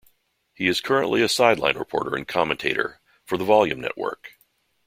He is currently a sideline reporter and commentator for the Volume Network.